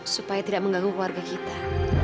supaya tidak mengganggu keluarga kita